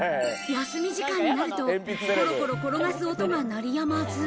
休み時間になるとコロコロ転がす音が鳴りやまず。